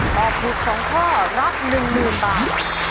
ตอบถูก๒ข้อรับ๑๐๐๐บาท